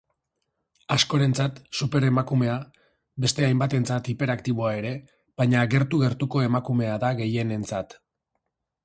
Askorentzat superemakumea, beste hainbatentzat hiperaktiboa ere, baina gertu-gertuko emakumea da gehienentzat.